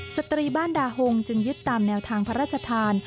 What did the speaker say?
สตรีบ้านดาหงจึงยึดตามแนวทางพระราชทาน